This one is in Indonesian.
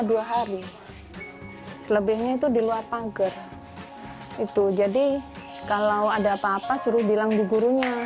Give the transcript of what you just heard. dua hari selebihnya itu di luar pagar itu jadi kalau ada apa apa suruh bilang di gurunya